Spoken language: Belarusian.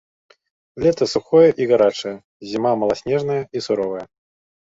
Лета сухое і гарачае, зіма маласнежная і суровая.